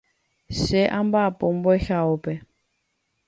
che amba'apo mbo'ehaópe